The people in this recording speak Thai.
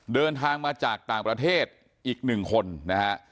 เดินทางมาจากต่างประเทศอีก๑คนนะฮะ